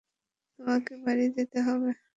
তোমাকে বাড়ি যেতে হবে।